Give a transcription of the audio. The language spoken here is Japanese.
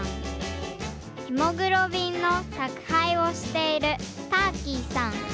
ヘモグロ便のたくはいをしているターキーさん。